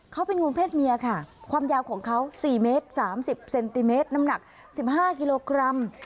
เขาเป็นงูเพศเมียค่ะความยาวของเขา๔เมตร๓๐เซนติเมตรน้ำหนัก๑๕กิโลกรัม